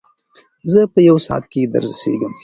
زه په یو ساعت کې در رسېږم.